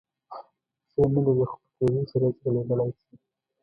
پښې نه لري خو په تېزۍ سره ځغلېدلای شي.